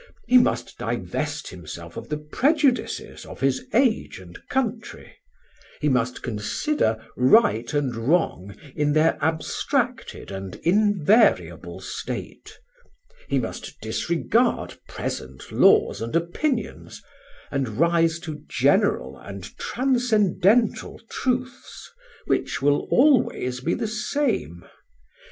He must divest himself of the prejudices of his age and country; he must consider right and wrong in their abstracted and invariable state; he must disregard present laws and opinions, and rise to general and transcendental truths, which will always be the same.